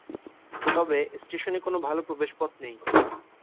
তবে স্টেশনে কোন ভালো প্রবেশ পথ নেই।